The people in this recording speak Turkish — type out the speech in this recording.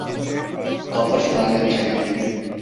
Kapa şu lanet çeneni!